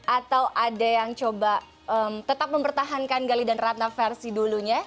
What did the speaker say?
atau ada yang coba tetap mempertahankan gali dan ratna versi dulunya